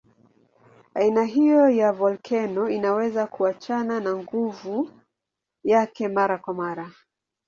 Aina hiyo ya volkeno inaweza kuachana na nguvu yake mara kwa mara.